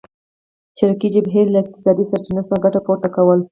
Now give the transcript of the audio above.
چریکي جبهې له اقتصادي سرچینو څخه ګټه پورته کوله.